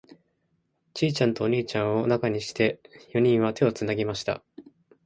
ちいちゃんとお兄ちゃんを中にして、四人は手をつなぎました。